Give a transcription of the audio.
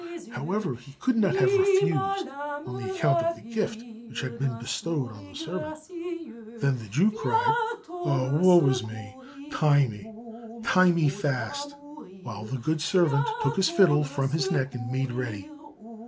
However, he could not have refused on account of the gift which had been bestowed on the servant. Then the Jew cried, "Oh! woe's me! tie me, tie me fast!" while the good servant took his fiddle from his neck, and made ready.